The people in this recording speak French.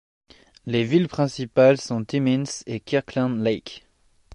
Les villes principales sont Timmins et Kirkland Lake.